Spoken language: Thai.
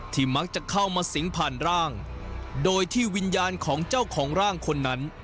มักจะเข้ามาสิงผ่านร่างโดยที่วิญญาณของเจ้าของร่างคนนั้น